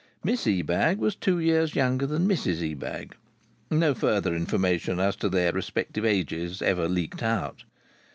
Miss Ebag was two years younger than Mrs Ebag. No further information as to their respective ages ever leaked out.